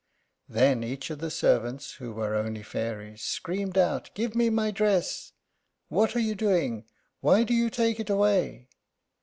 Then each of the servants, who were only fairies, screamed out, "Give me my dress! What are you doing? why do you take it away?"